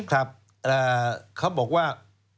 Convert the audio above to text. ครับเขาบอกว่า